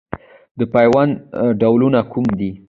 د پیوند ډولونه کوم دي؟